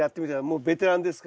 もうベテランですから。